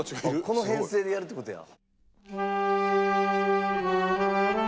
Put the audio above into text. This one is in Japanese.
この編成でやるって事や。